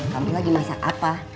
kamu lagi masak apa